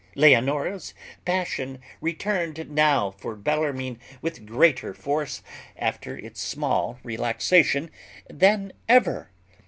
Leonora's passion returned now for Bellarmine with greater force, after its small relaxation, than ever.